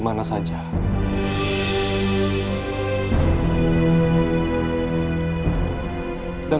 tidak ada bagian